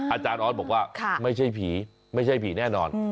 อาจารย์ออสบอกว่าไม่ใช่ผีไม่ใช่ผีแน่นอน